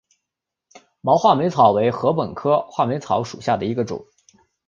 毛画眉草为禾本科画眉草属下的一个种。